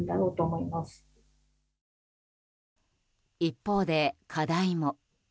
一方で、課題も。